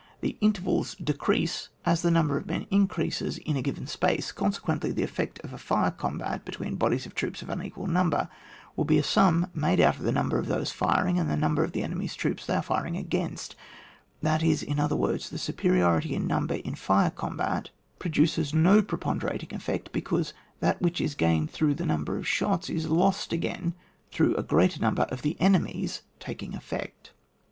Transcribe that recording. The intervals decrease as the number of men increases in a g^ven space ; conse quently, the effect of a fire combat be tween bodies of troops of unequal num ber will be a sum made out of the number of those firing, and the number of the enemy's troops they are firing against ; that is, in other words, the superiority in number in a fire combat produces no preponderating effect, because that which is gained through the number of shots, is lost again through a greater number of the enemy's taking effect.